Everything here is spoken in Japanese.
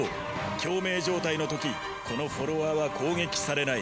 共鳴状態のときこのフォロワーは攻撃されない。